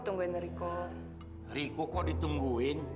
terima kasih mas